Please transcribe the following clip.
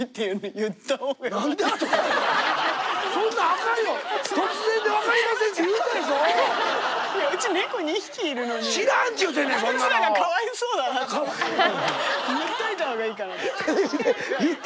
言っといたほうがいいかなと。